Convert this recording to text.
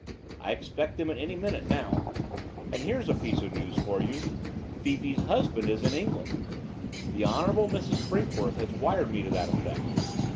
I expect them at any minute now. And here's a piece of news for you. Fifi's husband is in England. The Hon. Mrs. Brinkworth has wired me to that effect.